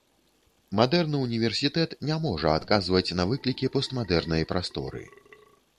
Мадэрны ўніверсітэт не можа адказваць на выклікі постмадэрнай прасторы.